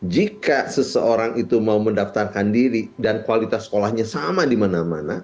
jika seseorang itu mau mendaftarkan diri dan kualitas sekolahnya sama di mana mana